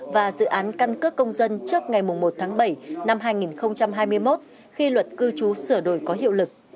và dự án căn cước công dân trước ngày một tháng bảy năm hai nghìn hai mươi một khi luật cư trú sửa đổi có hiệu lực